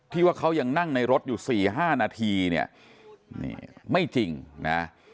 ว่าเขายังนั่งในรถอยู่๔๕นาทีเนี่ยนี่ไม่จริงนะ